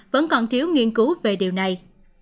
vẫn còn thiếu nghiên cứu về điều này